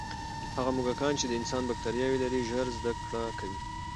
هغه موږکان چې د انسان باکټرياوې لري، ژر زده کړه کوي.